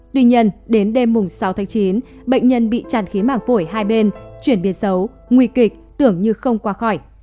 tuy nhiên đến đêm sáu tháng chín bệnh nhân bị tràn khí mảng phổi hai bên chuyển biến xấu nguy kịch tưởng như không qua khỏi